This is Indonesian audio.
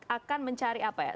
akan mencari apa ya